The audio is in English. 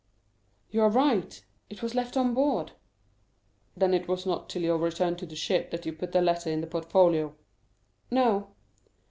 "You are right; it was left on board." "Then it was not till your return to the ship that you put the letter in the portfolio?" "No."